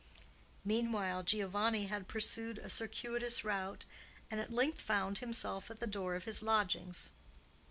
Meanwhile Giovanni had pursued a circuitous route, and at length found himself at the door of his lodgings.